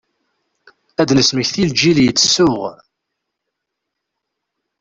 Ad d-nesmekti lğil yettsuɣ.